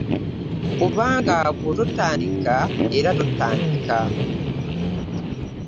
Kubanga bw'ototandika era totandika